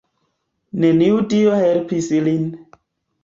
Neniu dio helpis lin.